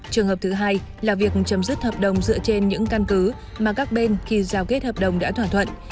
trường hợp thứ hai là việc chấm dứt hợp đồng dựa trên những căn cứ mà các bên khi giao kết hợp đồng đã thỏa thuận